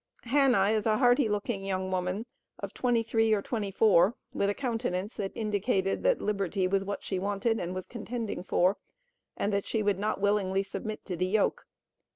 Hannah is a hearty looking young woman of 23 or 24, with a countenance that indicated that liberty was what she wanted and was contending for, and that she could not willingly submit to the yoke.